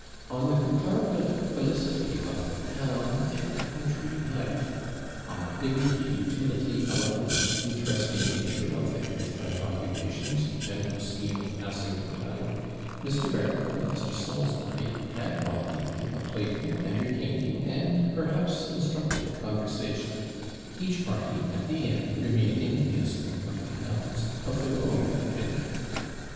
On the comparative felicity of the town and country life; on the dignity, utility, elegance, and interesting nature of their different occupations, and general scheme of passing their time, Mr. Berryl and Mr. Salisbury had one evening a playful, entertaining, and, perhaps, instructive conversation; each party, at the end, remaining, as frequently happens, of their own opinion.